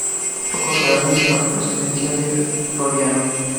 Poco sabemos de la procedencia de Floriano.